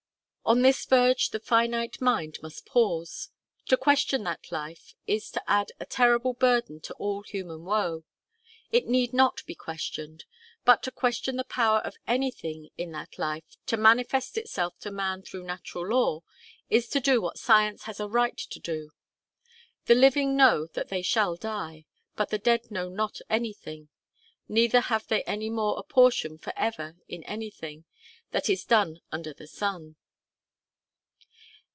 On this verge the finite mind must pause; to question that life is to add a terrible burden to all human woe; it need not be questioned. But to question the power of anything in that life to manifest itself to man through natural law, is to do what science has a right to do. 'The living know that they shall die: but the dead know not any thing ... neither have they any more a portion for ever in any thing that is done under the sun.'